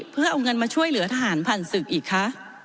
เพื่อเอาเงินมาช่วยเหลือทหารผ่านศึกอีกคะ